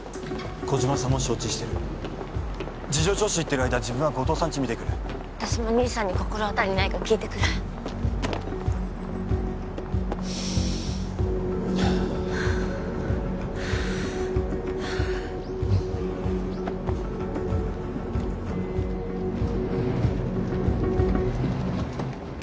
児島さんも承知してる事情聴取行ってる間自分は後藤さんち見てくる私も兄さんに心当たりないか聞いてくるうん